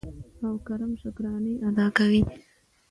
او کرم شکرانې ادا کوي.